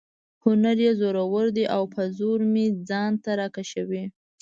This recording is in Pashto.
هنر یې زورور دی او په زور مې ځان ته را کشوي.